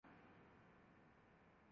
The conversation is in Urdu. فی البدیہہ بولتے ہیں۔